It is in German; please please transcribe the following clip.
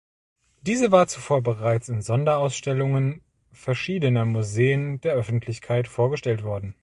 Diese war zuvor bereits in Sonderausstellungen verschiedener Museen der Öffentlichkeit vorgestellt worden.